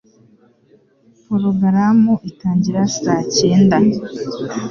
Porogaramu itangira saa cyenda.